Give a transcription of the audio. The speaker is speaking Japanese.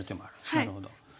なるほど。